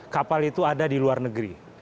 kapal itu ada di luar negeri